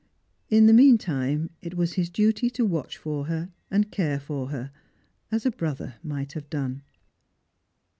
In the meantime it was his duty to watch for her and care for her, as a brother might have done.